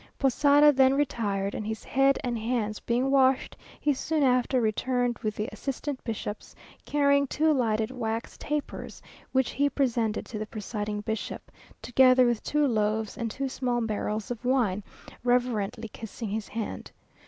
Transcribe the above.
Posada then retired, and his head and hands being washed, he soon after returned with the assistant bishops, carrying two lighted wax tapers, which he presented to the presiding bishop, together with two loaves and two small barrels of wine, reverently kissing his hand.